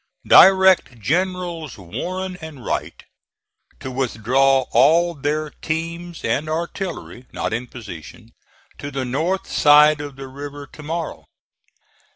Direct Generals Warren and Wright to withdraw all their teams and artillery, not in position, to the north side of the river to morrow.